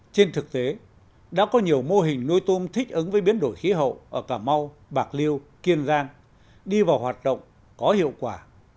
trên thực tế đã có nhiều mô hình nuôi tôm thích ứng với biến đổi khí hậu ở cà mau bạc liêu kiên giang đi vào hoạt động có hiệu quả